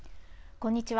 こんにちは。